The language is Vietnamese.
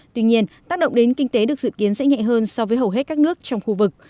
tuy nhiên tác động đến kinh tế được dự kiến sẽ nhẹ hơn so với hầu hết các nước trong khu vực